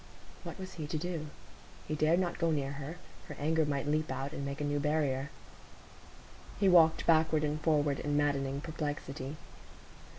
What was he to do? He dared not go near her; her anger might leap out, and make a new barrier. He walked backward and forward in maddening perplexity.